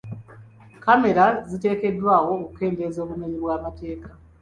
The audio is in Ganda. Kamera ziteekeddwawo okukendeezza ku bumenyi bw'amateeka.